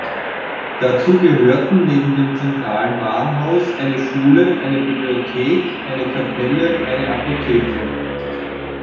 Dazu gehörten neben dem zentralen Warenhaus eine Schule, eine Bibliothek, eine Kapelle, eine Apotheke.